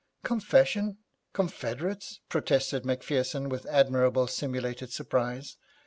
'Confession? Confederates?' protested Macpherson with admirably simulated surprise.